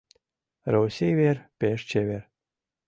Россий вер Пеш чевер.